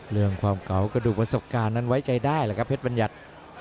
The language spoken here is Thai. เรื่องความเก่ากระดูกประสบการณ์นั้นไว้ใจได้แหละครับเพชรบัญญัติ